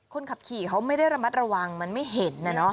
คนขับขี่เขาไม่ได้ระมัดระวังมันไม่เห็นนะเนาะ